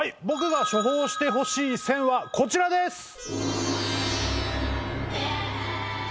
僕が処方してほしい「選」はこちらです！